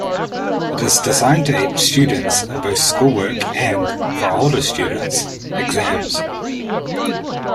It is designed to aid students in both schoolwork and, for older students, exams.